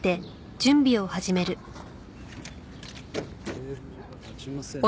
テーブルが立ちませんね。